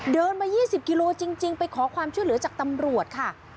เดินมา๒๐กิโลจริงไปขอความช่วยเหลือจากตำรวจค่ะ